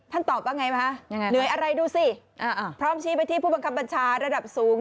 ตอบว่าไงมั้ยเหนื่อยอะไรดูสิพร้อมชี้ไปที่ผู้บังคับบัญชาระดับสูง